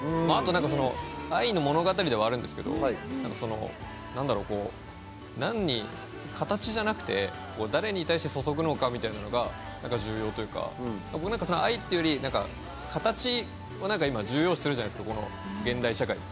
愛の物語ではあるんですけど、何だろう、形じゃなくて誰に対して注ぐのかみたいなのが重要というか、愛っていうより形を今、重要視するじゃないですか、現代社会って。